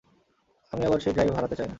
আমি আবার সেই ড্রাইভ হারাতে চাই না।